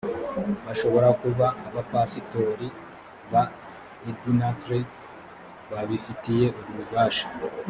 bashobora kuba abapasitori ba edntr babifitiye ububasha